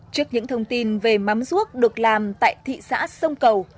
trước những thông tin về mắm rút được làm tại thị xã sông cầu